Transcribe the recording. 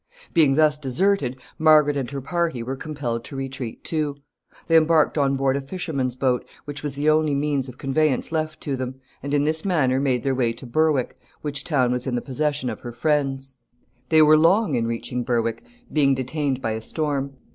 Being thus deserted, Margaret and her party were compelled to retreat too. They embarked on board a fisherman's boat, which was the only means of conveyance left to them, and in this manner made their way to Berwick, which town was in the possession of her friends. [Sidenote: A storm.] [Sidenote: Ships wrecked.] [Sidenote: Holy Island.] They were long in reaching Berwick, being detained by a storm.